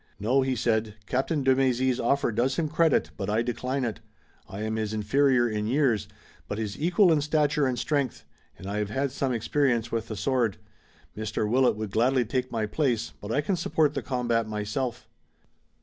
"No," he said, "Captain de Mézy's offer does him credit, but I decline it. I am his inferior in years, but his equal in stature and strength, and I have had some experience with the sword. Mr. Willet would gladly take my place, but I can support the combat myself."